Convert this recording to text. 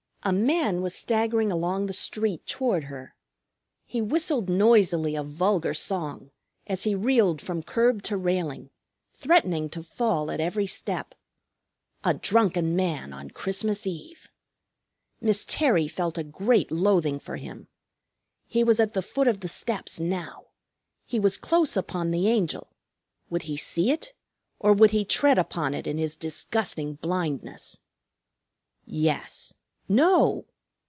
A man was staggering along the street toward her. He whistled noisily a vulgar song, as he reeled from curb to railing, threatening to fall at every step. A drunken man on Christmas Eve! Miss Terry felt a great loathing for him. He was at the foot of the steps now. He was close upon the Angel. Would he see it, or would he tread upon it in his disgusting blindness? Yes no!